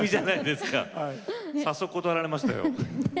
早速、断られましたよ。